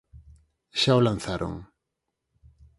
Xa o lanzaron.